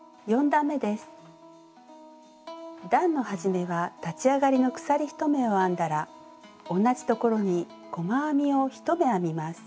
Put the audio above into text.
段の始めは立ち上がりの鎖１目を編んだら同じところに細編みを１目編みます。